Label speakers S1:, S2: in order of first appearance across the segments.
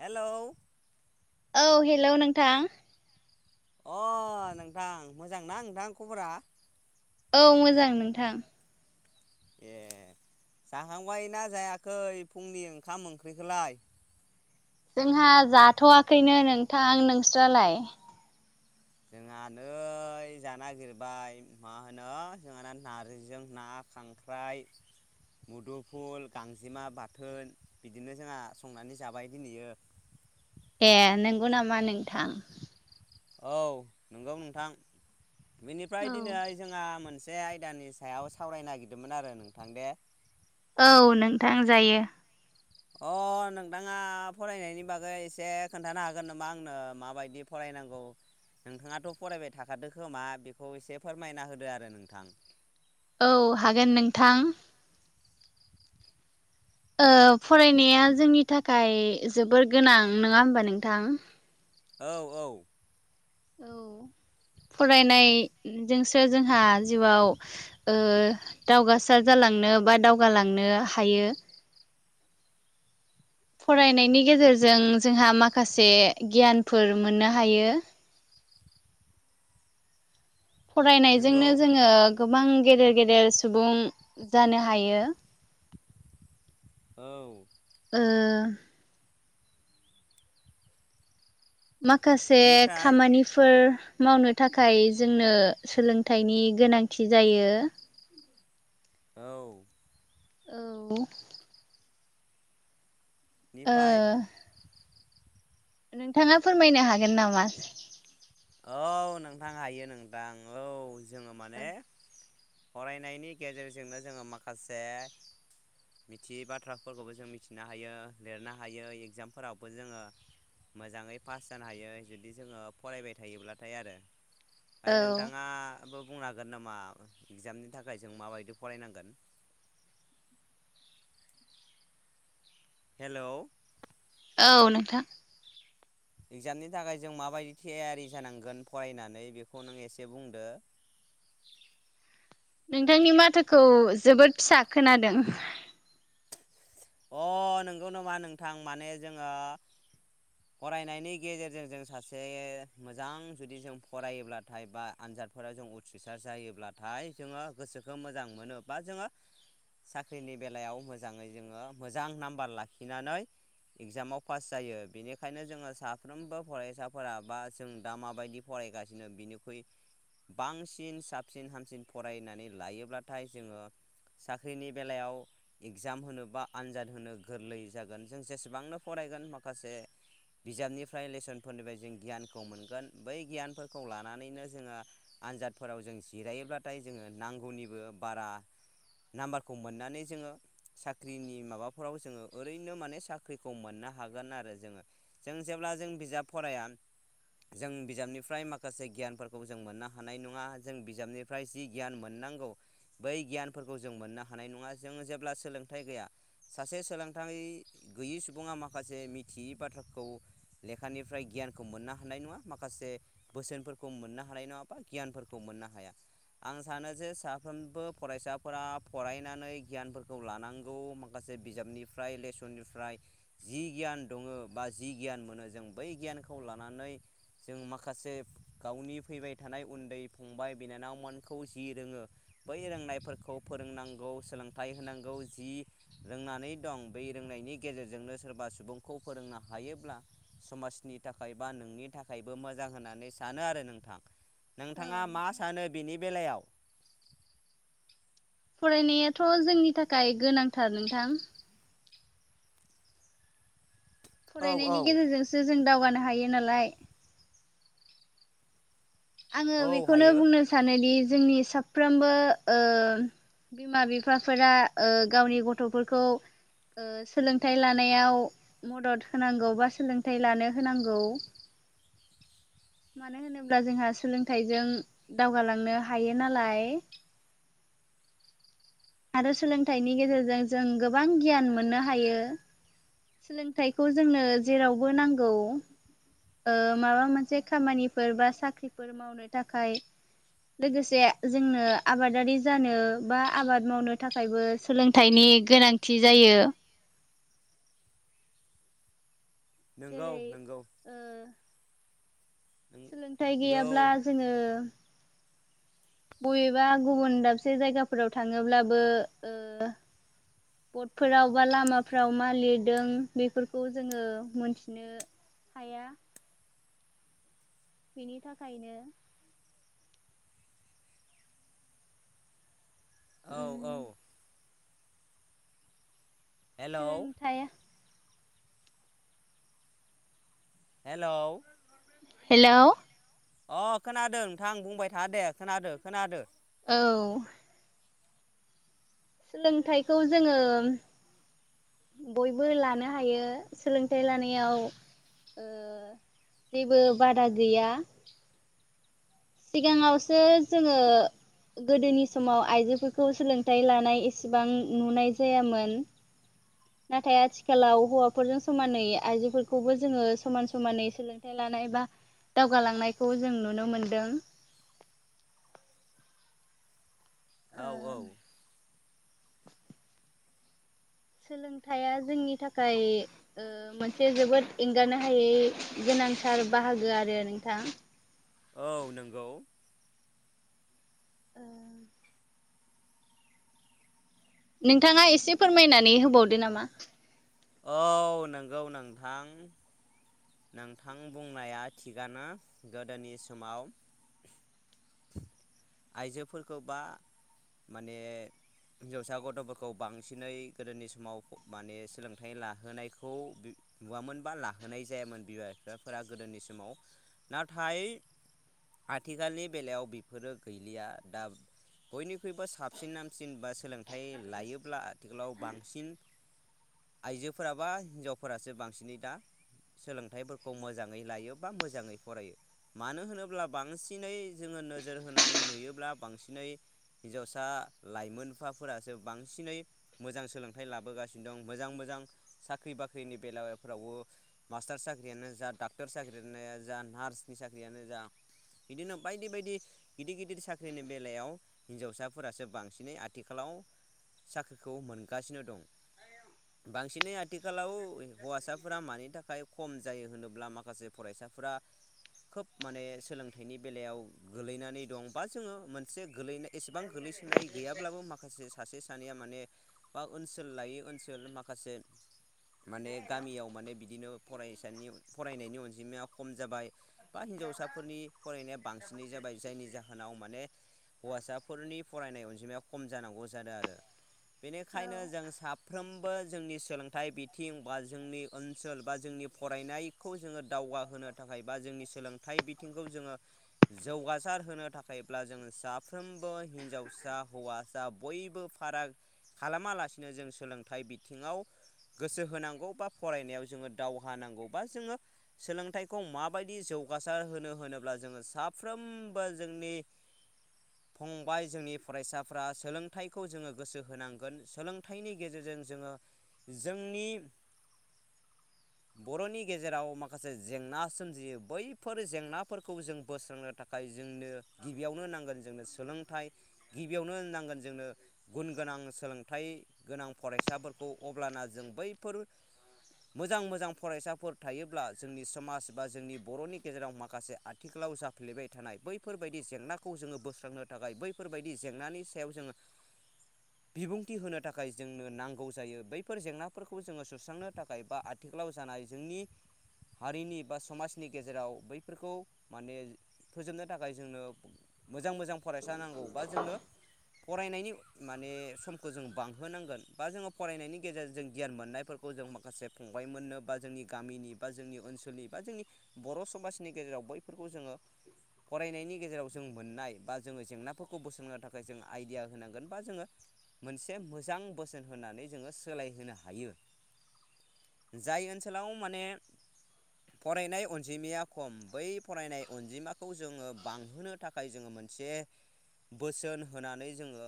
S1: Hello
S2: औ hello नोंथां
S1: अ नोंथां मोजांना नोंथां खबरा?
S2: औ मोजां नोंथां
S1: ए जाखांबाय ना जायाखै फुंनि ओंखाम ओंख्रिखौलाय?
S2: जोंहा जाथ'वाखैनो नोंथां नोंस्रलाय?
S1: जोंहा नै जानो नागिरबाय मा होनो जोंहाना नारजिजों ना। खांख्राइ मुदुफुल गांजेमा बाथोन बिदिनो जोंहा संनानै जाबाय दिनैयो। [inaudible]
S2: ए नंगौ नामा नोंथां?
S1: औ नंगौ नोंथां बेनिफ्राय दिनै जोंहा मोन बे आयदानि सायाव सावरायनो नागिरदोंमोन आरो नोंथां दे।
S2: औ नोंथां जायो।
S1: अ नोंथाङा फरायनायनि बागै एसे खोन्थानो हागोन नामा आंनो माबायदि फराय नांगौ नोंथाङाथ' फरायबाय थाखादो खोमा बेखौ एसे फोरमायना होदो आरो नोंथां।
S2: औ हागोन नोंथां। फरायनाया जोंनि थाखाय जोबोर गोनां नङा होमबा नोंथां?
S1: औ औ
S2: फरायनायजोंसो जोंहा जिउआव ओ दावगासार जालांनो बा दावगालांनो हायो।
S1: [inaudible]
S2: फरायनायनि गेजेरजों जोंहा माखासे गियानफोर मोननो हायो।
S1: [inaudible] नंगौ
S2: फरायनायजोंनो जोङो गोबां गेदेर गेदेर सुबुं जानो हायो।
S1: औ
S2: ओ माखासे
S1: बेनिफ्राय
S2: खामानिफोर मावनो थाखाय जोंनो सोलोंथाइनि गोनांथि जायो।
S1: औ
S2: औ ओ
S1: निफ्राय
S2: नोंथाङा फोरमायनो हागोन नामा?
S1: औ नोंथां हायो नोंथां औ जोङो माने फरायनायनि गेजेरजोंनो जोङो माखासे मिथियै बाथ्राफोरखौबो जों मिथिनो हायो लिरनो हायो एग्जामफोरावबो जोङो मोजाङै पास जानो हायो जुदि जोङो फरायबाय थायोब्लाथाय आरो ओमफ्राय
S2: औ
S1: नोंथाङा आबो बुंनो हागोन नामा इगजामनि थाखाय जों माबायदि फरायनांगोन। [inaudible] हेल'
S2: औ नोंथां
S1: एगजामनि थाखाय जों माबायदि थियारि जानांगोन फरायनानै बेखौ नों एसे बुंदो। [inaudible]
S2: नोंथांनि माथोखौ जोबोद फिसा खोनादों।
S1: अह नंगौ नामा नोंथां माने जोङो फरायनायनि गेजेरजों जों सासे मोजां जुदि जों फरायोब्लाथाय बा आनजाद फोराव जों उथ्रिसार जायोब्लाथाय जोङो गोसोखौ मोजां मोनो बा जोङो साख्रिनि बेलायाव मोजाङै जोङो मोजां नाम्बार लाखिनानै एगजामाव पास जायो बेनि खायनो जोङो साफ्रोमबो फरायसाफोरा बा जों दा माबायदि फरायगासिनो बिनिख्रुइ बांसिन साबसिन हामसिन फरायनानै लायोब्लाथाय जोङो साख्रिनि बेलायाव इग्जाम होनो बा आनजाद होनो गोरलै जागोन जों जेसेबांनो फराय गोन माखासे बिजाबनिफ्राय लेसनफोरनिफ्राय जों गियानखौ मोनगोन बै गियानफोरखौ लानानैनो जोङो आनजाद दफोराव जों जिरायोब्लाथाय जोङो नांगौनिबो बारा नाम्बारखौ मोननानै जोङो साख्रिनि माबाफोराव जोङो ओरैनो माने साख्रिखौ मोन हागोन आरो जोङो जों जेब्ला जों बिजाब फराया जों बिजाबनिफ्राय माखासे गियानफोरखौ जों मोननो हानाय नङा जों बिजाबनिफ्राय जि गियान मोननो नांगौ बै गियानफोरखौ जों मोननो हानाय नङा जों जेब्ला सोलोंथाइ गैया सासे सोलोंथाइ गैयि सुबुङा माखासे मिथियै बाथ्राखौ लेखानिफ्राय गियानखौ मोननो हानाय नङा माखासे बोसोनफोरखौ मोननो हानाय नङा बा गियानफोरखौ मोन मोननो हाया। आं सानो जे साफ्रोमबो फरायसाफोरा फरायनानै गियानफोरखौ लानांगौ माखासे से बिजाबनिफ्राय लेसननिफ्राय जि गियान दङो बा जि गियान मोनो जों बै गियानखौ लानानै जों माखासे गावनि फैबाय थानाय उन्दै फंबाय बिनानावमोनखौ जि रोङो बै रोंनायफोरखौ फोरोंनांगौ सोलोंथाइ होनांगौ जि रोंनानै दं बै रोंनाय बिनि गेजेरजोंनो सोरबा सुबुंखौ फोरोंना हायोब्ला समाजनि थाखाय बा नोंनि थाखायबो मोजां होननानै सानो आरो नोंथां। नोंथाङा मा
S2: नोंथां
S1: सानो बिनि बेलायाव
S2: फरायनायाथ' जोंनि थाखाय गोनांथार नोंथां।
S1: औ औ
S2: फरायनायनि गेजेरजोंसो जों दावगानो हायो नालाय आङो
S1: औ
S2: बेखौनो
S1: हायो
S2: बुंनो सानोदि जोंनि साफ्रोमबो ओ बिमा बिफाफोरा ओ गावनि गथ'फोरखौ ओ सोलोंथाइ लानायाव मदद होनांगौ बा सोलोंथाइ लानो होनांगौ
S1: [inaudible]
S2: मानो होनोब्ला जोंहा सोलोंथाइजों दावगालांनो हायो नालाय आरो सोलोंथाइनि गेजेरजों जों गोबां गियान मोननो हायो। सोलोंथाइखौ जोंनो जेरावबो नांगौ। ओ माबा मोनसे खामानिफोर बा साख्रिफोर मावनो थाखाय लोगोसे जोंनो आबादारि जानो बा आबाद मावनो थाखायबो सोलोंथाइनि गोनांथि जायो।
S1: नोंगौ
S2: जेरै
S1: नोंगौ
S2: ओ सोलोंथाइ
S1: नोंगौ
S2: गैयाब्ला जोङो बबेबा गुबुन दाबसे जायगाफोराव थाङोब्लाबो ओ बटफोराव बा लामाफ्राव मा लिरदों बेफोरखौ जोङो मोनथिनो हाया। बिनि थाखायनो
S1: औ
S2: उम
S1: औ। हेलौ
S2: सोलोंथाइया।
S1: हेलौ
S2: हेलौ
S1: अ खोनादों नोंथां बुंबाय था दे खोनादो खोनादो।
S2: औ। सोलोंथाइखौ जोङो बयबो लानो हायो सोलोंथाइ लानायाव जेबो बादा गैया। सिगाङावसो जोङो गोदोनि समाव आइजोफोरखौ सोलोंथाइ लानाय एसेबां नुनाय जायामोन। नाथाय आथिखालाव हौवाफोरजों समानै आइजोफोरखौबो जोङो समान समानै सोलोंथायाइ ला नाय बा दावगालांनायखौ जों नुनो मोनदों। ओ
S1: औ औ।
S2: सोलोंथाइया जोंनि थाखाय मोनसे जोबोद एंगारनो हायै गोनांथार बाहागो आरो नोंथां।
S1: औ नंगौ।
S2: [inaudible] नोंथाङा एसे फोरमायनानै होबावदो नामा?
S1: औ नंगौ नोंथां। नोंथां बुंनाया थिगानो गोदोनि समाव आइजोफोरखौ बा माने हिनजावसा गथ'फोरखौ बांसिनै गोदोनि समाव माने सोलों थाइ लाहोनायखौ नुवामोन बा लाहोनाय जायामोन बिमा बिफाफोरा गोदोनि समाव नाथाय आथिखालनि बेलायाव बेफोरो गैलिया दा बयनिख्रुइबो साबसिन हामसिन बा सोलोंथाइ लायोब्ला आथिखालाव बांसिन। आइजोफोराबा हिनजावफोरासो बांसिनै दा सोलोंथाइफोरखौ मोजाङै लायो बा मोजाङै फरायो मानो होनोब्ला बांसिनै जोङो नोजोर होनानै नुयोब्ला बांसिनै हिनजावसा लाइमोनफाफोरासो बांसिनै मोजां सोलोंथाइ लाबोगासिनो दं मोजां मोजां साख्रि बाख्रिनि बेलाफ्रावबो मास्टार साख्रियानो जा डक्टर साख्रियानो जा नार्सनि साख्रियानो जा बिदिनो बायदि बायदि गिदिर गिदिर साख्रिनि बेलायाव हिनजावसाफोरासो बांसिनै आथिखालाव आव साख्रिखौ मोनगासिनो दं बांसिनै आथिखालाव हौवासाफोरा मानि थाखाय खम जायो होनोब्ला माखासे फरायसा फोरा खोब माने सोलोंथाइनि बेलायाव गोलैनानै दं बा जोङो मोनसे गोलैनाय एसेबां गोलैसोनाय गैयाब्लाबो माखासे सासे सानैया माने बा ओनसोल लायै ओनसोल माखासे माने गामियाव माने बिदिनो फरायसानि फरायनायनि अनजिमाया खम जाबाय बा हिनजावसाफोरनि फरायनाया बांसिनै जाबाय जायनि जाहोनाव माने हौवासाफोरनि फरायनाय अनजिमाया खम जानांगौ जादों आरो बेनिखायनो जों सा जोंनि सोलोंथाइ बिथिं बा जोंनि ओनसोल बा जोंनि फरायनायखौ जोङो दावगाहो नो थाखाय बा जोंनि सोलोंथाइ बिथिंखौ जोङो जौगासार होनो थाखायब्ला जोङो साफ्रोम फ्रोमबो हिनजावसा हौवासा बयबो फाराग खालामालासिनो जों सोलों थाइ बिथिङाव गोसो होनांगौ बा फरायनायाव जोङो दावहा नांगौ बा जोङो सोलोंथाइखौ माबायदि जौ गासार होनो होनोब्ला जोङो साफ्रोमबो जोंनि फंबाय जोंनि फरायसाफ्रा सोलोंथाइखौ जोङो गोसो होनांगोन सोलोंथाइनि गेजेर जों जोङो जोंनि बर'नि गेजेराव माखासे जेंना सोमजियो बैफोर जेंनाफोरखौ जों बोस्रांनो थाखाय जोंनो गिबियावनो नांगोन जोंनो सोलोंथाइ गिबियावनो नांगोन जोंनो गुन गोनां सोलोंथाइ गोनां फरायसाफोरखौ अब्लाना जों बैफोर मोजां मोजां फरायसाफोर थायोब्ला जोंनि समाज बा जोंनि बर'नि गेजेराव माखासे आथिखाल आव जाफ्लेबाय थानाय बैफोरबायदि जेंनाखौ जोङो बोस्रांनो थाखाय बैफोरबायदि जेंनानि सायाव जोङो बिबुंथि होनो थाखाय जोंनो नांगौ जायो बैफोर जेंनाफोरखौ जोङो सुस्रांनो थाखाय बा आथिखालाव जानाय जोंनि हारिनि बा समाजनि गेजेराव बैफोरखौ माने फोजोबनो थाखाय जोंनो मोजां मोजां फरायसा नांगौ बा जोंनो फरायनायनि माने समखौ जों बां- होनांगोन बा जोङो फरायनायनि गेजेरजों गियान मोननायफोरखौ जों माखासे फंबाय मोननो बा जोंनि गामिनि बा जोंनि ओनसोलनि बा जोंनि बर' समाजनि गेजेराव बैफोरखौ जोङो फरायनायनि गेजेराव जों मोननाय बा जोङो जेंनाफोरखौ बोस्रांनो थाखाय जों आइडिया होनांगोन बा जोङो मोनसे मोजां बोसोन होनानै जोङो सोलायहोनो हायो। जाय ओनसोलाव माने फरायनाय अनजिमाया खम बै फरायनाय अनजिमाखौ जोङो बांहोनो थाखाय जोङो मोन - से बोसोन होनानै जोङो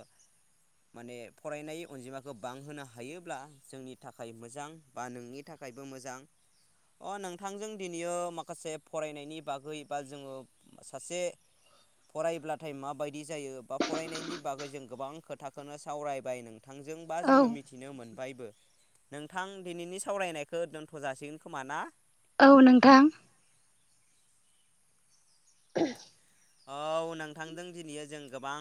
S1: माने फरायनाय अनजिमाखौ बांहोनो हायोब्ला जोंनि थाखाय मोजां बा नोंनि थाखायबो मोजां अ नोंथांजों दिनैयो माखासे फरायनायनि बागै बा जोङो सासे फरायब्लाथाय माबायदि जायो बा फरायनायनि बागै जों गोबां खोथाखौनो सावरायबाय नों थांजों बा
S2: औ
S1: जोङो मिथिनो मोनबायबो। नोंथां दिनैनि सावरायनायखौ दोनथ' जासिगोन खोमा ना
S2: औ नोंथां [unintelligible]
S1: औ नोंथांदों दिनैयो जों गोबां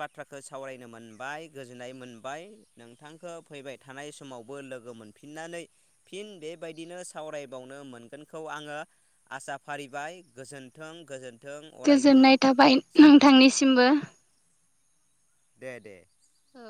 S1: बाथ्राखौ सावरायनो मोनबाय गोजोननाय मोनबाय। बाय नोंथांखौ फैबाय थानाय समावबो लोगो मोनफिननानै फिन बेबायदिनो साव फरायबावनो मोनगोनखौ आङो आसा फारिबाय गोजोन्थों गोजोन्थों। अरायबो
S2: गोजोननाय थाबाय ओम नोंथांनिसिमबो।
S1: दे दे
S2: औ।